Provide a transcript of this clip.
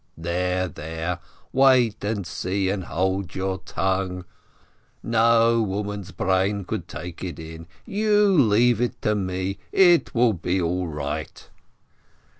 "There, there, wait and see and hold your tongue! No woman's brain could take it in. You leave it to me, it will be all right!"